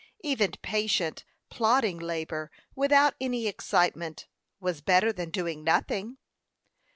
Even patient, plodding labor, without any excitement, was better than doing nothing.